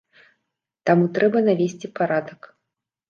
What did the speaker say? Таму трэба навесці парадак.